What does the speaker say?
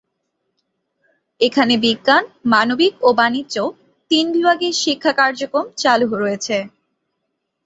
এখানে বিজ্ঞান, মানবিক ও বাণিজ্য তিন বিভাগেই শিক্ষা কার্যক্রম চালু রয়েছে।